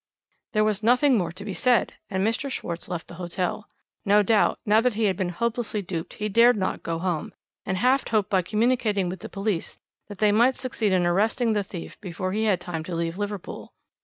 "There was nothing more to be said, and Mr. Schwarz left the hotel. No doubt, now that he had been hopelessly duped he dared not go home, and half hoped by communicating with the police that they might succeed in arresting the thief before he had time to leave Liverpool.